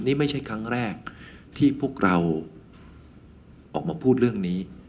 นี่ไม่ใช่ครั้งแรกที่พวกเราออกมาพูดเรื่องนี้